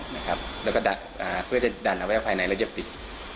แล้วก็เพื่อจะดันเอาไว้ภายในแล้วจะปิด